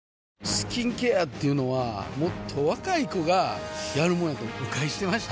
スキンケアっていうのはもっと若い子がやるもんやと誤解してました